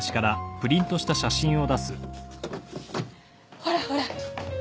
ほらほら